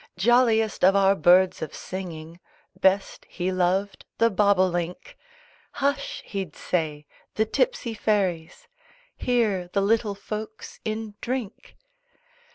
Jolliest of our birds of singing Best he loved the Bob o link. "Hush!" he'd say, "the tipsy fairies! Hear the little folks in drink!"